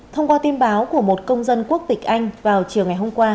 thông qua tin báo của một công dân quốc tịch anh vào chiều ngày hôm qua